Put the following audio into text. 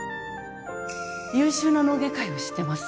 優秀な脳外科医を知ってます